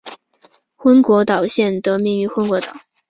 昏果岛县得名于昏果岛。